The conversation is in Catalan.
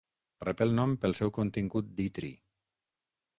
Rep el nom pel seu contingut d'itri.